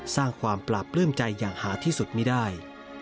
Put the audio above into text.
สร้างความปราบปลื้มใจอย่างหาที่สุดไม่ได้